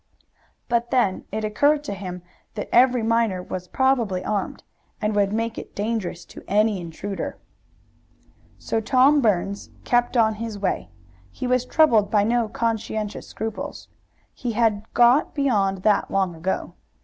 But then it occurred to him that every miner was probably armed, and would make it dangerous to any intruder. So Tom Burns kept on his way. He was troubled by no conscientious scruples. He had got beyond that long ago.